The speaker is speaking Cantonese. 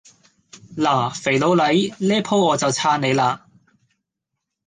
嗱，肥佬黎，呢舖我就撐你嘞